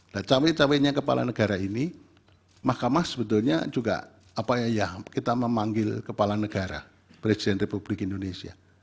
nah cawe cawenya kepala negara ini mahkamah sebetulnya juga apa ya kita memanggil kepala negara presiden republik indonesia